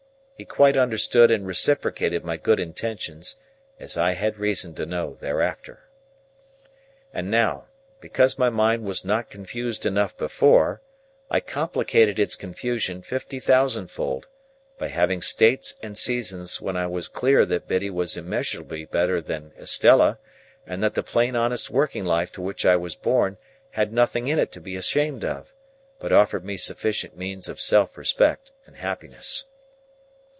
He quite understood and reciprocated my good intentions, as I had reason to know thereafter. And now, because my mind was not confused enough before, I complicated its confusion fifty thousand fold, by having states and seasons when I was clear that Biddy was immeasurably better than Estella, and that the plain honest working life to which I was born had nothing in it to be ashamed of, but offered me sufficient means of self respect and happiness.